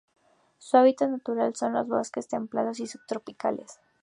Su hábitat natural son los bosques templados y subtropicales.